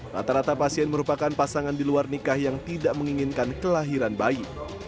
rata rata pasien merupakan pasangan di luar nikah yang tidak menginginkan kelahiran bayi